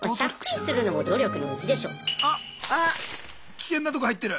危険なとこ入ってる。